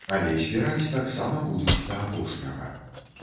Але збіраць таксама будуць да апошняга.